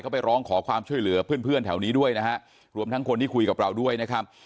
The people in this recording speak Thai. เขาไปร้องขอความช่วยเหลือเพื่อนเพื่อนแถวนี้ด้วยนะฮะรวมทั้งคนที่คุยกับเราด้วยนะครับ